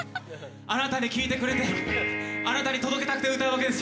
あなたに聴いてくれてあなたに届けたくて歌うわけですよ。